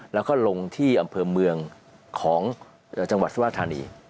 แล้วก็ลงที่อำเภอเมืองของจังหวัดสุราธานี